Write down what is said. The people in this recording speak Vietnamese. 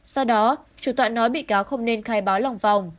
sau đó chủ tọa nói bị cáo không nên khai báo lòng vòng